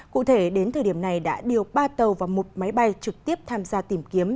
cụ thể đến thời điểm này đã điều ba tàu và một máy bay trực tiếp tham gia tìm kiếm